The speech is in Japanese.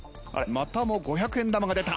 またも５００円玉が出た。